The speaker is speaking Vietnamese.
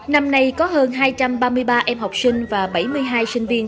năm nay có hơn hai trăm ba mươi ba em học sinh và bảy mươi hai sinh viên